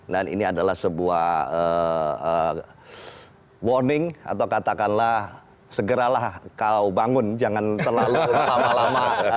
dan ini adalah sebuah warning atau katakanlah segeralah kau bangun jangan terlalu lama lama